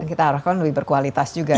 kita harapkan lebih berkualitas juga ya